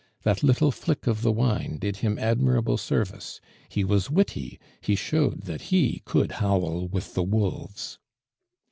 That little flick of the wine did him admirable service; he was witty, he showed that he could "howl with the wolves."